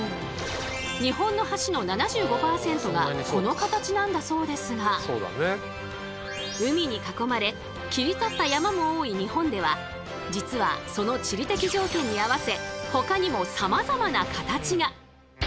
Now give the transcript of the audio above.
日本の橋の７５％がこの形なんだそうですが海に囲まれ切り立った山も多い日本では実はその地理的条件に合わせほかにもさまざまな形が。